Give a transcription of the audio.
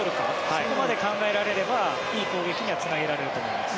そこまで考えられればいい攻撃にはつなげられると思います。